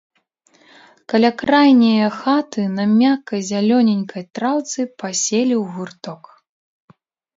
Каля крайняе хаты, на мяккай зялёненькай траўцы, паселі ў гурток.